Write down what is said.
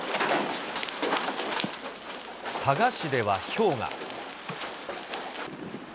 佐賀市ではひょうが。